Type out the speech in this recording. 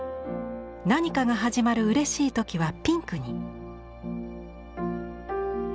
何かが始まるうれしい時はピンクに。